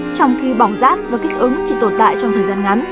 trong khi bỏng rát và kích ứng chỉ tồn tại trong thời gian ngắn